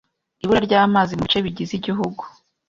Ibura ry’amazi mu bice bigize igihugu